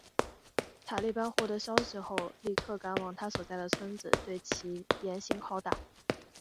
塔利班获得消息后立刻赶往他所在的村子里对其严刑拷打。